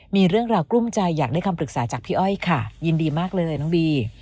มีเรื่องราวกลุ้มใจอยากได้คำปรึกษาจากพี่อ้อยค่ะยินดีมากเลยน้องบี